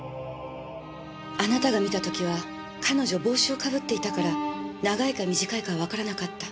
あなたが見た時は彼女帽子をかぶっていたから長いか短いかはわからなかった。